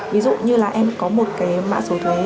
ví dụ như là cái số xe này ạ